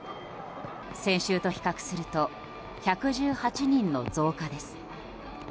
先週と比較すると１１８人の増加です。